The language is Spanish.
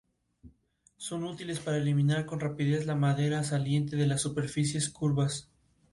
Son útiles para eliminar con rapidez la madera saliente de las superficies curvas.